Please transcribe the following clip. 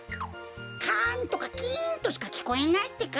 カンとかキンとしかきこえないってか。